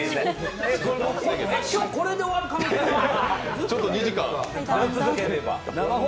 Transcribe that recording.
今日これで終わる可能性あります？